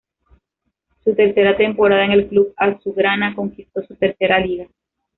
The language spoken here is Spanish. Su tercera temporada en el club azulgrana conquistó su tercera Liga.